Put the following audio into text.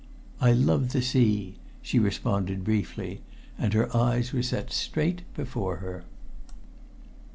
"I love the sea," she responded briefly, and her eyes were set straight before her.